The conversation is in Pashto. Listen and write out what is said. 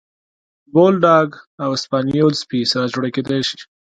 بولداګ او اسپانیول سپي سره جوړه کېدلی شي.